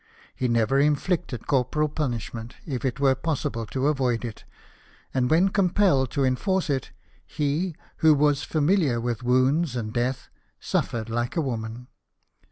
He never inflicted corporal punishment, if it were possible to avoid it ; and when compelled to enforce it, he, who was familiar with wounds and death, suffered like a woman.